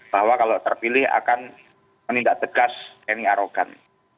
bahwa kalau terpilih akan menindak tegas tni arogan